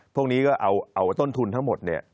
พวกนี้ก็เอาต้นทุนทั้งหมดเนี่ย